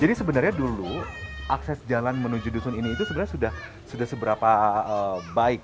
jadi sebenarnya dulu akses jalan menuju dusun ini itu sebenarnya sudah seberapa baik